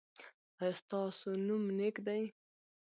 ایا ستاسو نوم نیک دی؟